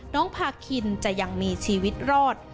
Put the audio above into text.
น้องพาคินจะยังมีชีวิตรอด